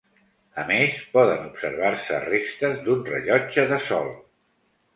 A més poden observar-se restes d'un rellotge de sol.